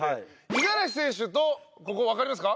五十嵐選手とここわかりますか？